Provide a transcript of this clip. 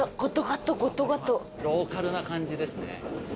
ローカルな感じですね。